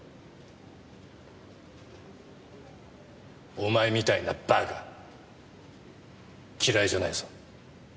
お前みたいな馬鹿嫌いじゃないぞ。